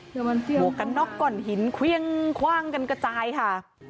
หมวกกันน็อกก่อนหินเครื่องคว่างกันกระจายค่ะ